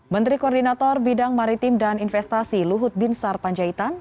menteri koordinator bidang maritim dan investasi luhut binsar panjaitan